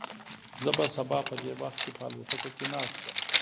زه به سبا په دې وخت کې په الوتکه کې ناست یم.